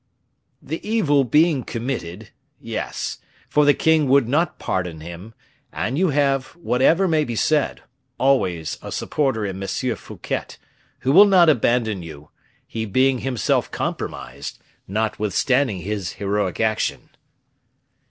"The evil being committed, yes; for the king would not pardon him, and you have, whatever may be said, always a supporter in M. Fouquet, who will not abandon you, he being himself compromised, notwithstanding his heroic action."